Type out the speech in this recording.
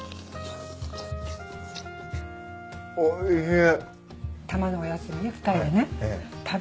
おいしい。